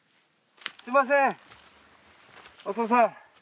すみませんお父さん。